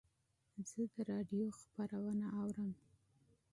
زه د رادیو خپرونه اورم.